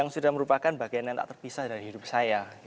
dan itu sudah merupakan bagian yang tak terpisah dari hidup saya